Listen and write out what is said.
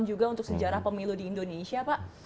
juga untuk sejarah pemilu di indonesia pak